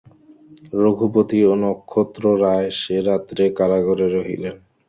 রঘুপতি ও নক্ষত্ররায় সে রাত্রে কারাগারে রহিলেন।